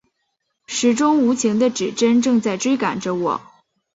时钟无情的指针正在追赶着我